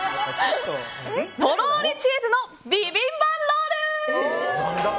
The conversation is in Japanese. とろりチーズのビビンバロール！